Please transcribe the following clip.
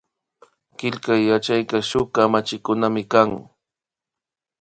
Killkay yachayka shuk kamachikunamikan